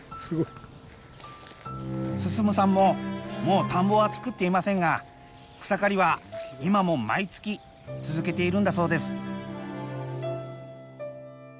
すごい！進さんももう田んぼは作っていませんが草刈りは今も毎月続けているんだそうです。